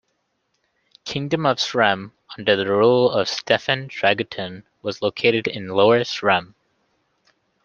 Kingdom of Srem under the rule of Stefan Dragutin was located in Lower Srem.